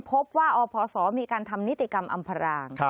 พบว่าอพศมีการทำนิติกรรมอำพราง